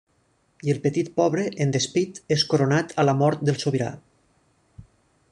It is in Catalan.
I el petit pobre, en despit, és coronat a la mort del sobirà.